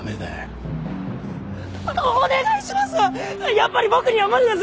やっぱり僕には無理です！